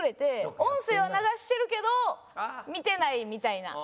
音声は流してるけど見てないみたいな。